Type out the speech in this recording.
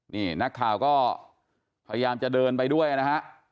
นี่นักข่าวก็พยายามจะเดินไปด้วยนะฮะ